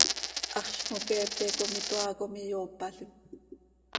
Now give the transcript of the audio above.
Haxz cmoqueepe com itoaa com iyoopalim.